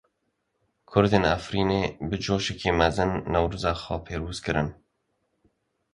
Kurdên Efrînê bi coşeke mezin Newroza xwe pîroz kirin.